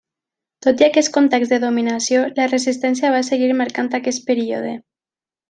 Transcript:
Tot i aquest context de dominació, la resistència va seguir marcant aquest període.